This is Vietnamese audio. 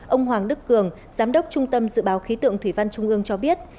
ông hoàng đức cường giám đốc trung tâm dự báo khí tượng thủy văn trung ương cho biết